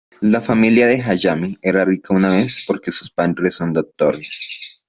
La familia de Hayami era rica una vez porque sus padres son doctores.